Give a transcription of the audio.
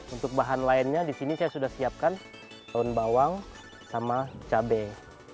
untuk bahan lainnya di sini saya sudah siapkan daun bawang sama cabai